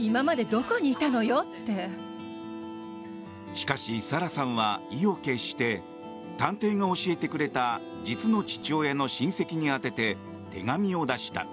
しかし、サラさんは意を決して探偵が教えてくれた実の父親の親戚に宛てて手紙を出した。